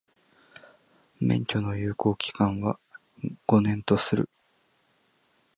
免許の有効期間は、五年とする。